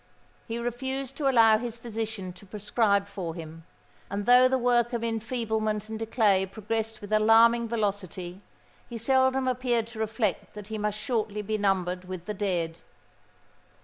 He refused to allow his physician to prescribe for him; and though the work of enfeeblement and decay progressed with alarming velocity, he seldom appeared to reflect that he must shortly be numbered with the dead.